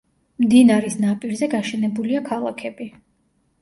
მდინარის ნაპირზე გაშენებულია ქალაქები.